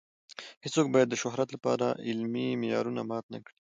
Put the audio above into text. هیڅوک باید د شهرت لپاره علمي معیارونه مات نه کړي.